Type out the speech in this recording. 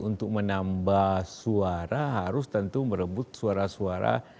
untuk menambah suara harus tentu merebut suara suara